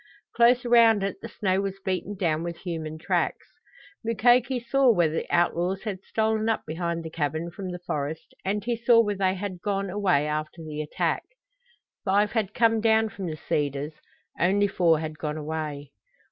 Close around it the snow was beaten down with human tracks. Mukoki saw where the outlaws had stolen up behind the cabin from the forest and he saw where they had gone away after the attack. Five had come down from the cedars, only four had gone away!